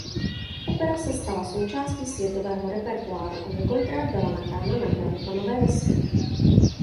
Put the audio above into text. Opera se stala součástí světového repertoáru a několikrát byla nahrána na gramofonové desky.